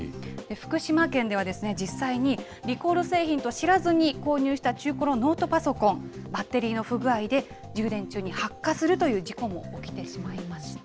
福島県では実際に、リコール製品と知らずに、購入した中古のノートパソコン、バッテリーの不具合で、充電中に発火するという事故も起きてしまいました。